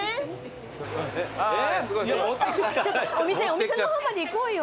お店の方まで行こうよ。